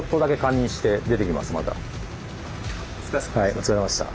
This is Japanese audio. お疲れさまでした。